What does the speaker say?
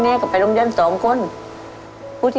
และไปลงเลี่ยง๒การ